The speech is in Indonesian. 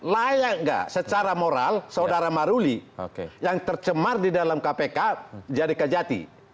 layak nggak secara moral saudara maruli yang tercemar di dalam kpk jadi kejati